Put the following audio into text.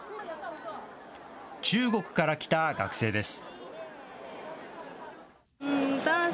中国から来た学生です。